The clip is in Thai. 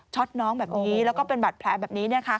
น้องแบบนี้แล้วก็เป็นบาดแผลแบบนี้